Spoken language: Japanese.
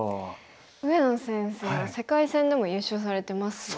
上野先生は世界戦でも優勝されてますもんね。